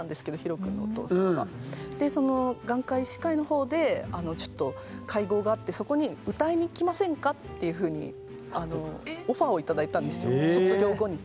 その眼科医師会のほうで会合があってそこに「歌いに来ませんか？」っていうふうにオファーを頂いたんですよ卒業後に。